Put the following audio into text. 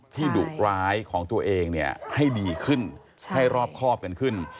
ดุร้ายของตัวเองให้ดีขึ้นให้รอบครอบกันขึ้น